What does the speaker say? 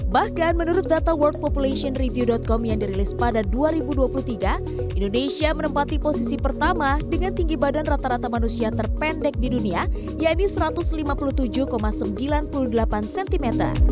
bahkan menurut data worldpopulationreview com yang dirilis pada dua ribu dua puluh tiga indonesia menempati posisi pertama dengan tinggi badan rata rata manusia terpendek di dunia yaitu satu ratus lima puluh tujuh sembilan puluh delapan cm